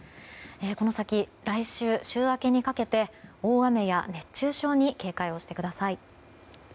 この先、来週週明けにかけて大雨や熱中症に警戒をしてください。